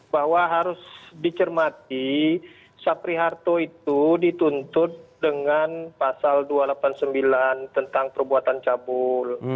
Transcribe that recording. bahwa harus dicermati sapri harto itu dituntut dengan pasal dua ratus delapan puluh sembilan tentang perbuatan cabul